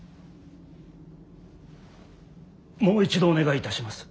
もう一度お願いいたします。